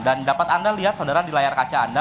dan dapat anda lihat saudara di layar kaca anda